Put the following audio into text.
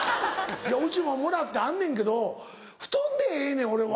うちももらってあんねんけど布団でええねん俺は。